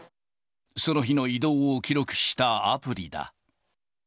その日の移動を記録したアプリだ。